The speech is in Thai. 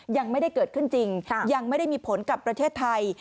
ยังไม่ได้เกิดขึ้นจริงยังไม่ได้มีผลกับประเทศไทย